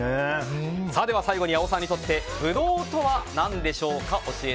最後に八尾さんにとってブドウとは何でしょうか？